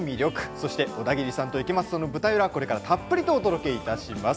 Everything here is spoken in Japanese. そして、オダギリさんと池松さんの舞台裏、これからたっぷりとお届けいたします。